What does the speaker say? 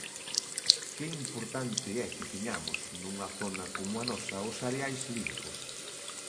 Que importante é que teñamos, nunha zona como a nosa, os areais limpos.